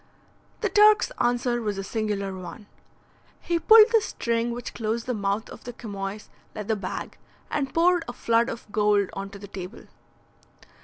The Turk's answer was a singular one. He pulled the string which closed the mouth of the chamois leather bag, and poured a flood of gold on to the table.